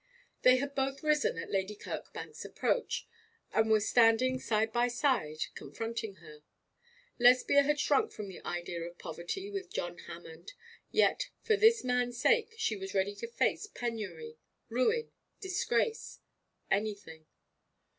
They had both risen at Lady Kirkbank's approach, and were standing side by side, confronting her. Lesbia had shrunk from the idea of poverty with John Hammond; yet, for this man's sake, she was ready to face penury, ruin, disgrace, anything.